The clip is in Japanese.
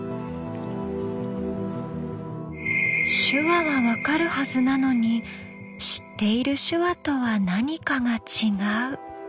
手話は分かるはずなのに知っている手話とは何かが違う。